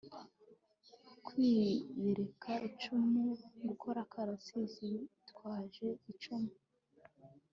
kwiyereka icumu gukora akarasisi bitwaje icumu